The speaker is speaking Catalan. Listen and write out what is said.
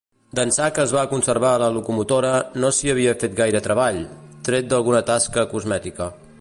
D'ençà que es va conservar la locomotora no s'hi havia fet gaire treball, tret d'alguna tasca cosmètica.